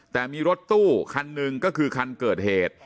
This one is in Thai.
แต่มีรถตู้คันหนึ่งก็คือคันเกิดเหตุ